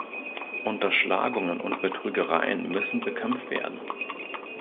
Unterschlagungen und Betrügereien müssen bekämpft werden.